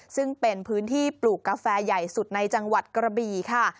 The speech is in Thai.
ซึ่งเป็นพื้นที่ปลูกกาแฟใหญ่สุดในจังหวัดกระบี่ค่ะ